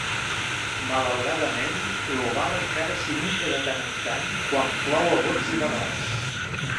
Malauradament, l'oval encara s'inunda de tant en tant quan plou a bots i barrals.